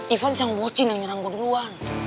ivan yang bocin yang nyerang gue duluan